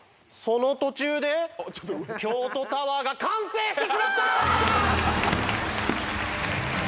その途中で京都タワーが完成してしまった！